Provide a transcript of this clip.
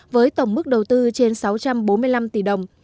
với tổng mức đầu tư trên sáu trăm bốn mươi năm tỷ đồng